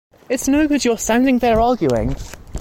It's no good your standing there arguing.